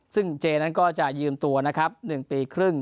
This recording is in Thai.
ซึ่งเจนั้นก็จะยืมตัวนะครับ๑ปีครึ่ง